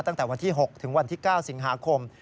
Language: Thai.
ตั้งแต่วันที่๖ถึงวันที่๙สิงหาคม